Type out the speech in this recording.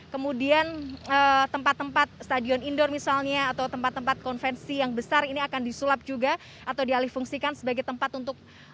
kemudian tempat tempat stadion indoor misalnya atau tempat tempat konvensi yang besar ini akan disulap juga atau dialih fungsikan sebagai tempat untuk